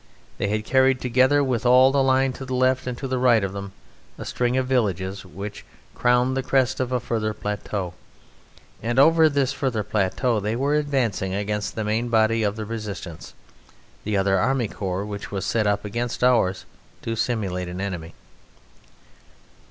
They had carried (together with all the line to left and to the right of them) a string of villages which crowned the crest of a further plateau, and over this further plateau they were advancing against the main body of the resistance the other army corps which was set up against ours, to simulate an enemy.